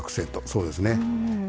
そうですね。